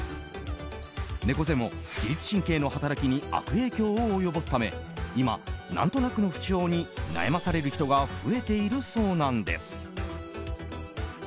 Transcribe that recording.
猫背も自律神経の働きに悪影響を及ぼすため今、何となくの不調に悩まされる人が増えているそうなんです。